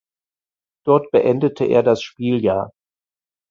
Dort beendete er das Spieljahr.